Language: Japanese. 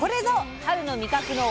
春の味覚の王様！